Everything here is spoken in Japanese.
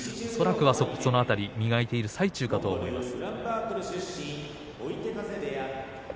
恐らく磨いている最中かと思います。